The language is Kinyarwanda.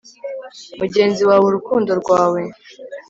mugenzi wawe, urukundo rwawe